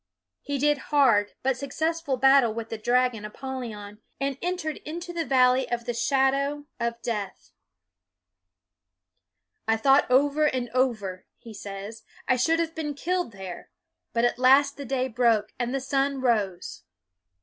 He did hard but successful battle with the dragon Apollyon, and entered into the Valley of the Shadow 272 ' BUNYAN of Death. " I thought over and over," he says, " I should have been killed there; but at last the day broke, and the sun rose."